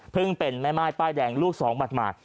เพิ่งเป็นแม่ไหม้ป้ายแดงลูก๒หมดหมา